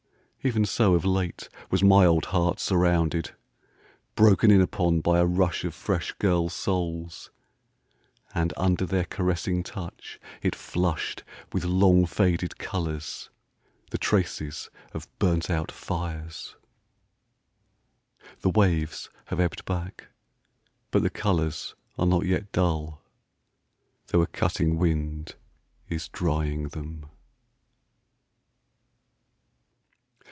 Even so of late was my old heart surrounded, broken in upon by a rush of fresh girls' souls ... and under their caressing touch it flushed with long faded colours, the traces of burnt out fires ! The waves have ebbed back ... but the colours are not yet dull, though a cutting wind is drying them.